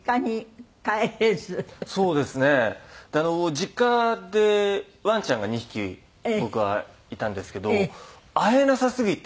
実家でワンちゃんが２匹僕はいたんですけど会えなさすぎて。